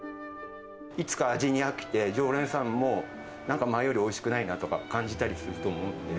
いつか味に飽きて、常連さんもなんか前よりおいしくないなとか感じたりすると思うんで、